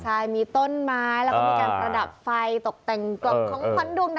ใช่มีต้นไม้แล้วก็มีการภรรดักฟัยตกแต่งกล่องของหนูค่ะ